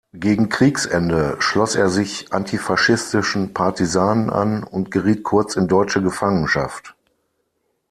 Gegen Kriegsende schloss er sich antifaschistischen Partisanen an und geriet kurz in deutsche Gefangenschaft.